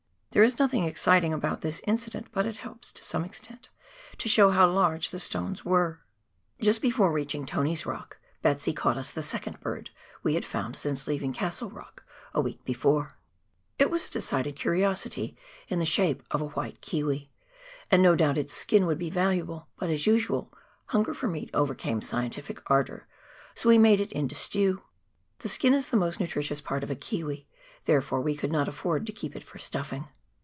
There is nothing exciting about this incident, but it helps, to some extent, to show how large the stones were. 144! PIONEER WORK IX THE ALPS OF NEW ZEALAND. Just before reaclimg Tony's Rock, "Betsy" cauglit us the second bird we bad found since leaving Castle Rock a week before ; it was a decided curiosity in the shape of a white kiwi, and no doubt its skin would be valuable, but, as usual, hunger for meat overcame scientific ardour, so we made it into stew ! The skin is the most nutritious part of a kiwi, there fore we could not afford to keep it for stufiing.